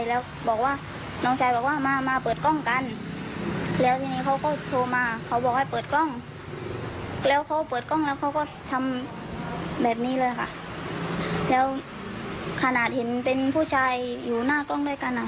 แล้วขนาดเห็นเป็นผู้ชายอยู่หน้ากล้องด้วยกันอ่ะ